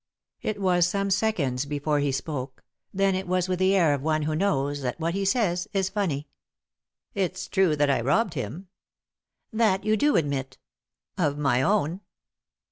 It was some seconds before he spoke, then it was with the air of one who knows that what he says is funny. " It's true that I robbed him." "That you do admit" " Of my own."